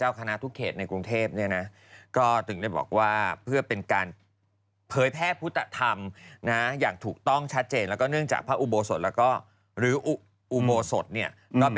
ล่าสุดนี่คือเขาช่วยตัวเองผ่านเลย